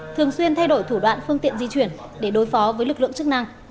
thường xuyên thay đổi thủ đoạn phương tiện di chuyển để đối phó với lực lượng chức năng